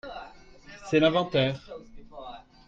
C’est l’inventaire